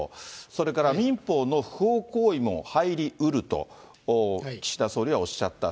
それから民法の不法行為も入りうると、岸田総理はおっしゃった。